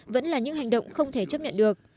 vẫn là những hành động không thể chấp nhận được